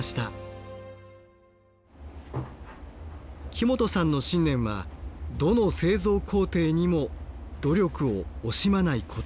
木本さんの信念はどの製造工程にも努力を惜しまないこと。